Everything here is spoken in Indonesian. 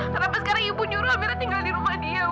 kenapa sekarang ibu nyuruh akhirnya tinggal di rumah dia